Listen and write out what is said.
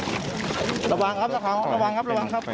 ระวังครับรับข่าวระวังครับระวังครับ